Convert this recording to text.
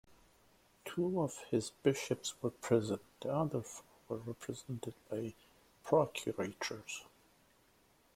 Two of his bishops were present, the other four were represented by procurators.